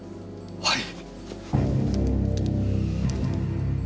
はい。